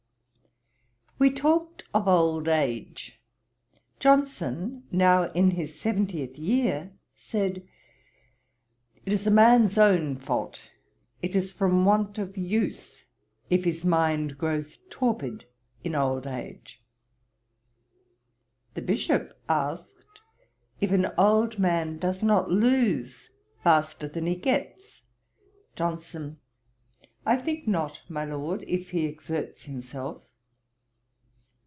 We talked of old age. Johnson (now in his seventieth year,) said, 'It is a man's own fault, it is from want of use, if his mind grows torpid in old age.' The Bishop asked, if an old man does not lose faster than he gets. JOHNSON. 'I think not, my Lord, if he exerts himself.'